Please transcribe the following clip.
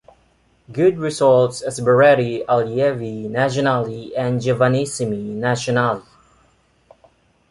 Good results as Berretti, Allievi Nazionali and Giovanissimi Nazionali.